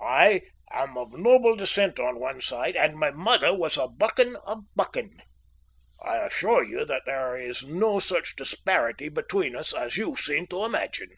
I am of noble descent on one side, and my mother was a Buchan of Buchan. I assure you that there is no such disparity between us as you seem to imagine."